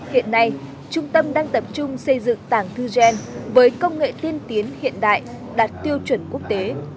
hiện nay trung tâm đang tập trung xây dựng tảng thư gen với công nghệ tiên tiến hiện đại đạt tiêu chuẩn quốc tế